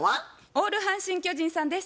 オール阪神・巨人さんです。